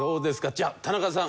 じゃあ田中さん。